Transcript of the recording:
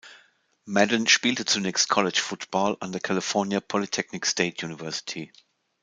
Madden spielte zunächst College-Football an der California Polytechnic State University.